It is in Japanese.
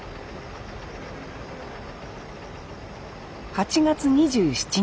８月２７日。